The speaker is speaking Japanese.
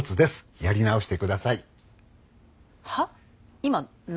やり直して下さい。